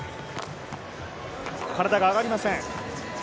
体が上がりません。